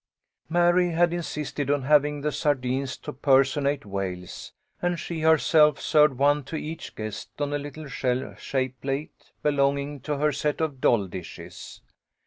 Mary had insisted on having the sardines to personate whales, and she herself served one to each guest on a little shell shaped plate belonging to her set of doll dishes.